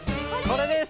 これです！